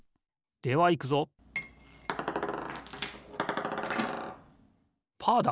ではいくぞパーだ！